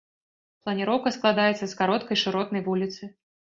Планіроўка складаецца з кароткай шыротнай вуліцы.